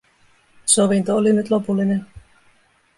Sovinto oli nyt lopullinen.